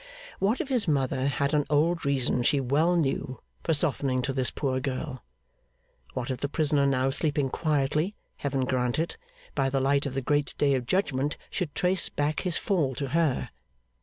What if his mother had an old reason she well knew for softening to this poor girl! What if the prisoner now sleeping quietly Heaven grant it! by the light of the great Day of judgment should trace back his fall to her.